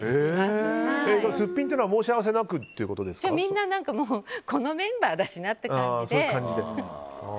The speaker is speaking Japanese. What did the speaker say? すっぴんっていうのは申し合わせなくみんな、このメンバーだしなっていう感じで。